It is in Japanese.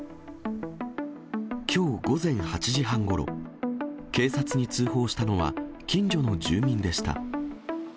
きょう午前８時半ごろ、警察に通報したのは、近所の住民でした。